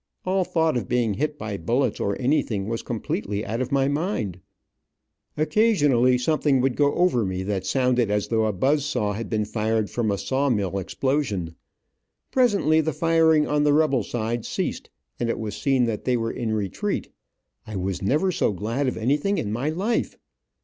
All thought of being hit by bullets or anything was completely out of my mind. Occasionally something would go over me that sounded as though a buzz saw had been fired from a saw mill explosion. Presently the firing on the rebel side ceased, and it was seen they were in retreat. I was never so glad of anything in my life.